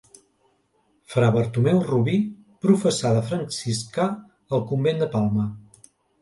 Fra Bartomeu Rubí professà de franciscà al convent de Palma.